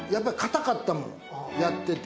やってて。